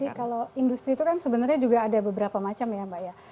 jadi kalau industri itu kan sebenarnya juga ada beberapa macam ya mbak ya